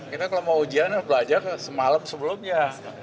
kita kalau mau ujian belajar semalam sebelumnya